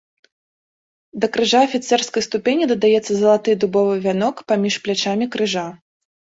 Да крыжа афіцэрскай ступені дадаецца залаты дубовы вянок паміж плячамі крыжа.